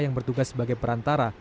yang bertugas sebagai perantara